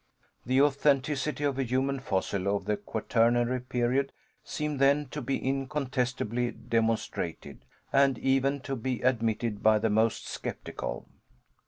The authenticity of a human fossil of the Quaternary period seemed then to be incontestably demonstrated, and even to be admitted by the most skeptical.